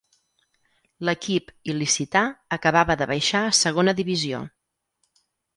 L'equip il·licità acabava de baixar a Segona Divisió.